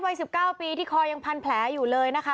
วัย๑๙ปีที่คอยังพันแผลอยู่เลยนะคะ